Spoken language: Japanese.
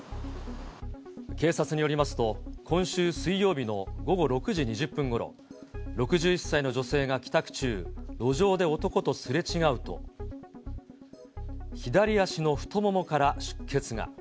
警察によりますと、今週水曜日の午後６時２０分ごろ、６１歳の女性が帰宅中、路上で男とすれ違うと、左足の太ももから出血が。